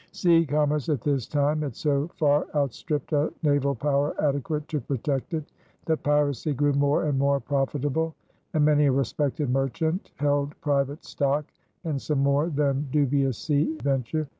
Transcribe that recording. Sea commerce at this time had so far outstripped a naval power adequate to protect it that piracy grew more and more profitable, and many a respected merchant held private stock in some more than dubious sea venture.